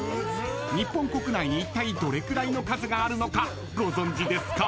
［日本国内にいったいどれくらいの数があるのかご存じですか？］